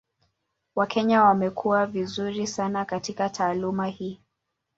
Wakenya wamekuwa vizuri sana katika taaluma hii.